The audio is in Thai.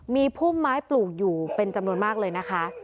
มีพุ่มไม้ปลูกอยู่เป็นจำนวนมากเลยนะคะ